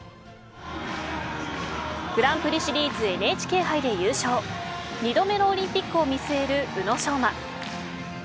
グランプリシリーズＮＨＫ杯で優勝２度目のオリンピックを見据える宇野昌磨。